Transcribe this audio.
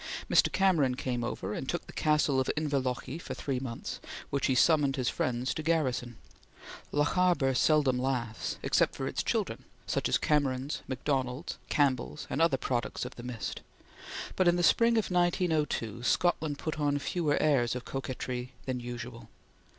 Mr. Cameron came over, and took the castle of Inverlochy for three months, which he summoned his friends to garrison. Lochaber seldom laughs, except for its children, such as Camerons, McDonalds, Campbells and other products of the mist; but in the summer of 1902 Scotland put on fewer airs of coquetry than usual.